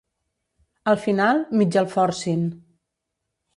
Al final, mig el forcin.